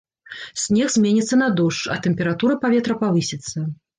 Снег зменіцца на дождж, а тэмпература паветра павысіцца.